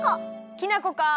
きな粉か。